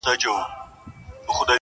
او کيسه نه ختمېده!!